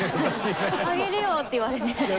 あげるよって言われて。